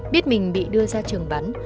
biết mình bị đưa ra trường bắn